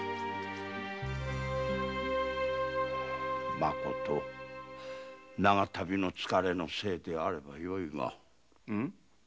まこと長旅の疲れのせいであればよいが。ん？